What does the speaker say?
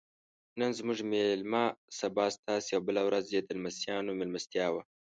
نن زموږ میلمه سبا ستاسې او بله ورځ یې د لمسیانو میلمستیا وه.